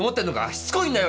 しつこいんだよ